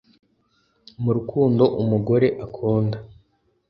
mu rukundo umugore akunda